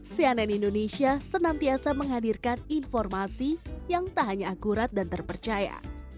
cnn indonesia senantiasa menghadirkan informasi yang tak hanya akurat dan terpercaya